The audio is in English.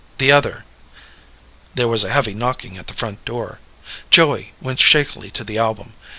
The other.... There was a heavy knocking at the front door. Joey went shakily to the album.